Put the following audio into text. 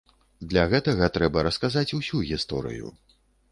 Для гэтага трэба расказаць усю гісторыю.